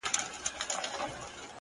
يو ما و تا ـ